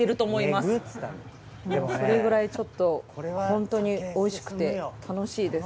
それくらいちょっとホントにおいしくて楽しいです。